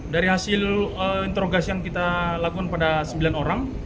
dari hasil interogasi yang kita lakukan pada sembilan orang